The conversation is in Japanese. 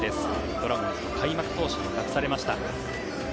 ドラゴンズの開幕投手も託されました。